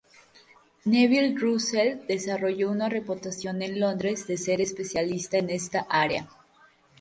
Neville Russell desarrolló una reputación en Londres de ser especialista en esta área.